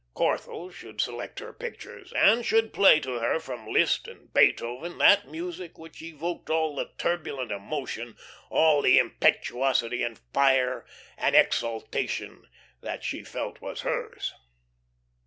Corthell should select her pictures, and should play to her from Liszt and Beethoven that music which evoked all the turbulent emotion, all the impetuosity and fire and exaltation that she felt was hers.